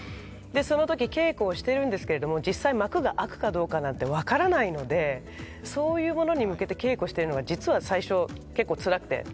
そのとき稽古をしているんですけれども実際幕が開くかどうかなんて分からないので、そういうものに向けて稽古しているのが実は最初、結構つらくて。